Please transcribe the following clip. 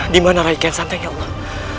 dimana ray kian santang ya allah